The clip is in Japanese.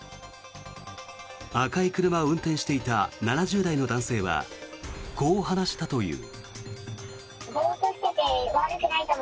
赤い車を運転していた７０代の男性はこう話したという。